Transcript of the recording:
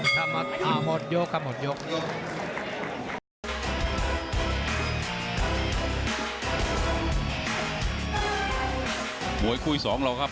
หมดยก